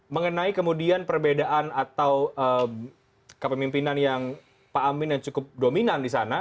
mengenai kemudian perbedaan atau kepemimpinan yang pak amin yang cukup dominan di sana